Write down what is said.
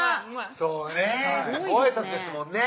そうねご挨拶ですもんね